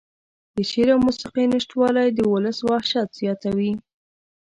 د شعر او موسيقۍ نشتوالى د اولس وحشت زياتوي.